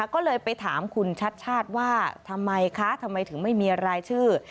ก็เลยไปถามคุณชัดชาติว่าทำไมคะทำไมถึงไม่มีรายชื่อ